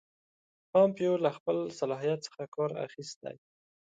پومپیو له خپل صلاحیت څخه کار اخیستی.